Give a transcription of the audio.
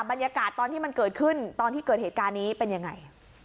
บรรยากาศตอนที่มันเกิดขึ้นตอนที่เกิดเหตุการณ์นี้เป็นยังไง